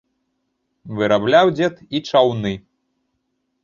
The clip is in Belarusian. Вырабляў дзед і чаўны.